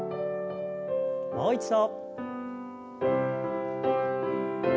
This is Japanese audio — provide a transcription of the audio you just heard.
もう一度。